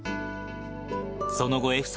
その後、笑